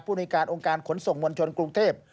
ในการองค์การขนส่งมวลชนกรุงเทพ